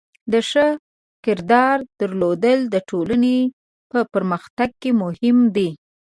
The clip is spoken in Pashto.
د ښه کردار درلودل د ټولنې په پرمختګ کې مهم دی.